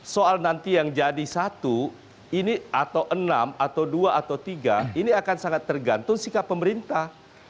soal nanti yang jadi satu ini atau enam atau dua atau tiga ini akan sangat tergantung sikap pemerintah